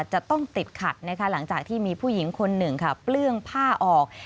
จะต้องติดขัดนะคะหลังจากที่มีผู้หญิงคนหนึ่งค่ะเปลื้องผ้าออก